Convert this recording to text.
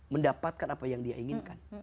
mendapatkan apa yang dia inginkan